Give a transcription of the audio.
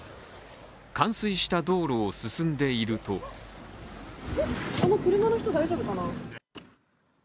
冠水した道路を進んでいるとあの車の人、大丈夫かな？